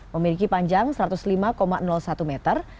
memiliki panjang satu ratus lima satu meter